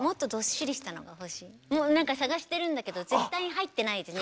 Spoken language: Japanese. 何か探してるんだけど絶対に入ってない日本に。